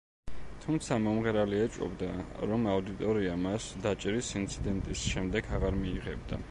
თუმცა მომღერალი ეჭვობდა, რომ აუდიტორია მას დაჭერის ინციდენტის შემდეგ აღარ მიიღებდა.